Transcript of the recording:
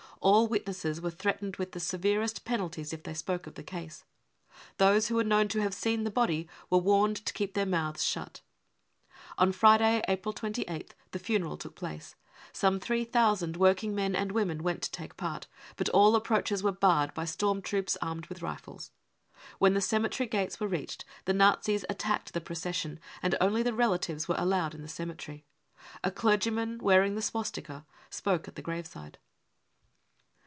All witnesses were threatened with the severest penalties if they spoke of the case. Those who were known to have seen the body were warned ' to keep their mouths shut. 9 ce On Friday, April 28th, the funeral took place. Some 3,000 working men and women went to take part, but all approaches were barred by storm troops armed with rifles. When the cemetery gates were reached, the Nazis attacked the procession, and only the relatives were allowed in the cemetery. A clergyman wearing the swastika spoke at the graveside.